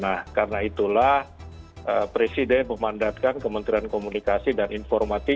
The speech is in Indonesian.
nah karena itulah presiden memandatkan kementerian komunikasi dan informatika